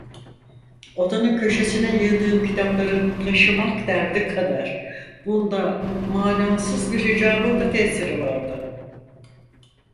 Odanın köşesine yığdığım kitapları taşımak derdi kadar, bunda manasız bir hicabın da tesiri vardı.